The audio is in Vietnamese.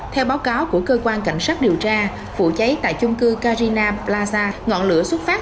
theo báo cáo của cơ quan cảnh sát điều tra vụ cháy tại chung cư carina plaza ngọn lửa xuất phát